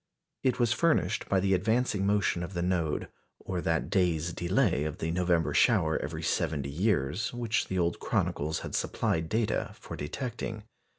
It was furnished by the advancing motion of the node, or that day's delay of the November shower every seventy years, which the old chronicles had supplied data for detecting.